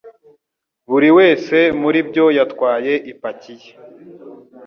Buri wese muri bo yatwaye ipaki ye.